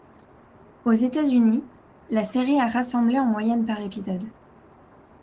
Aux États-Unis, la série a rassemblé en moyenne par épisode.